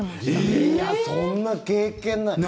いや、そんな経験ない。